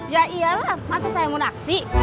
ya iyalah masa saya mau naksi